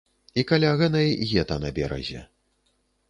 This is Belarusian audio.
І каля гэнай гета на беразе.